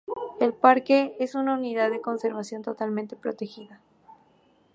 El parque es una unidad de conservación totalmente protegida.